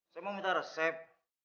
saya mau minta resep